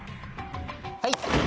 はい！